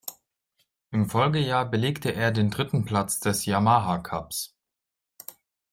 Im Folgejahr belegte er den dritten Platz des "Yamaha-Cups".